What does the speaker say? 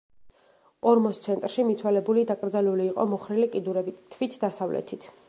ორმოს ცენტრში მიცვალებული დაკრძალული იყო მოხრილი კიდურებით, თვით დასავლეთით.